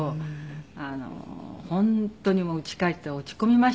本当に家帰って落ち込みましたね。